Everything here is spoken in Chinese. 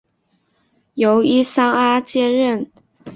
由伊桑阿接任。